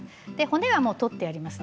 骨は取ってあります。